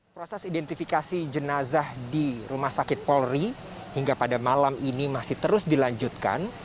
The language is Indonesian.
proses identifikasi jenazah di rumah sakit polri hingga pada malam ini masih terus dilanjutkan